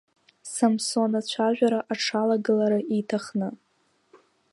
Самсон ацәажәара аҽалагалара иҭахны.